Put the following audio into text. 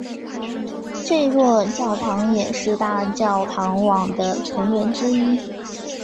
这座教堂也是大教堂网的成员之一。